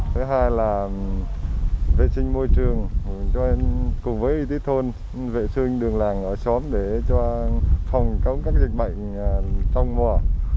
thứ hai là vệ sinh môi trường cùng với y tế thôn vệ sinh đường làng ở xóm để phòng cống các dịch bệnh trong mùa